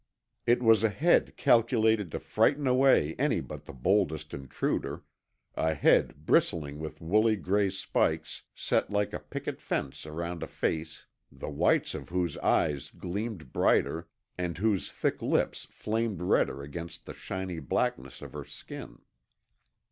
It was a head calculated to frighten away any but the boldest intruder, a head bristling with wooly gray spikes set like a picket fence around a face the whites of whose eyes gleamed brighter and whose thick lips flamed redder against the shiny blackness of her skin.